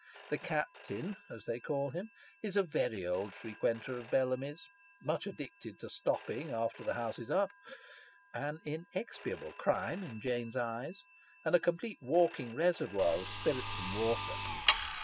" The Captain," as they call him, is a very old frequenter of Bellamy's , much addicted to stopping " after the House is up " (an inexpiable crime in Jane's eyes), and a complete walking reservoir of spirits and water.